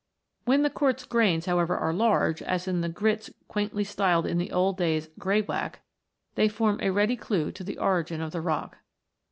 When the quartz grains, however, are large, as in the grits quaintly styled in old days "greywacke," they form a ready clue to the origin of the rock.